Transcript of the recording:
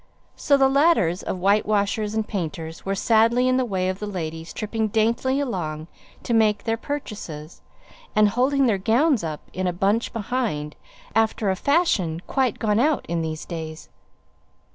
So the ladders of whitewashers and painters were sadly in the way of the ladies tripping daintily along to make their purchases, and holding their gowns up in a bunch behind, after a fashion quite gone out in these days.